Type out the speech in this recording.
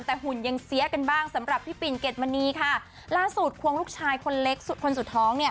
แต่หุ่นยังเสียกันบ้างสำหรับพี่ปิ่นเกดมณีค่ะล่าสุดควงลูกชายคนเล็กสุดคนสุดท้องเนี่ย